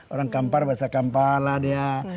orang kampar bahasa kampar lah dia